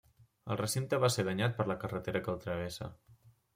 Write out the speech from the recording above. El recinte va ser danyat per la carretera que el travessa.